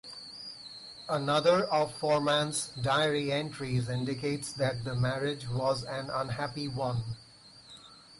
Another of Forman's diary entries indicates that the marriage was an unhappy one.